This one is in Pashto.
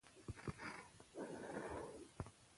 هغوی هيڅکله د تېري کوونکو پر وړاندې سر ټيټ نه کړ.